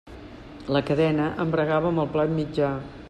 La cadena embragava amb el plat mitjà.